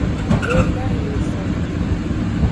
E va nyisoke.